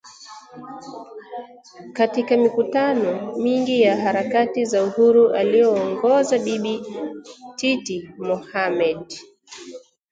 Katika mikutano mingi ya harakati za Uhuru aliyoongoza Bibi Titi Mohammed